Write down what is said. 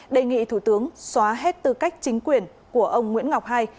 đề nghị thủ tướng xóa hết tư cách chính quyền của ông nguyễn ngọc hai